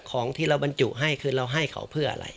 ของที่เราบรรจุให้คือเราให้เขาเพื่ออะไร